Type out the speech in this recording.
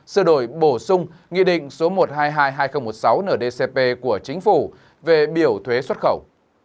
sửa đổi bổ sung nghị định số một trăm hai mươi hai hai nghìn một mươi sáu ndcp của chính phủ về biểu thuế xuất khẩu